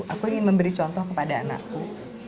aku ingin memberi contoh kepada anakku